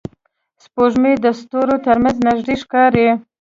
سپوږمۍ د ستورو تر منځ نږدې ښکاري